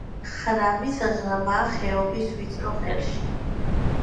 ხრამის ღრმა ხეობის ვიწრო ყელში.